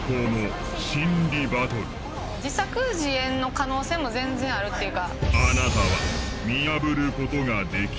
自作自演の可能性も全然あるっていうか。